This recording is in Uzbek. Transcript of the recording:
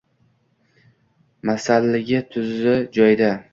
Masalligi tuzi joyida